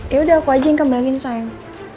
yaudah aku aja yang kembalikan sayang